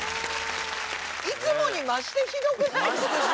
いつもに増してひどくないですか？